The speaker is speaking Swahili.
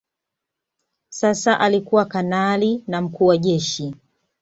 Sasa alikuwa kanali na mkuu wa Jeshi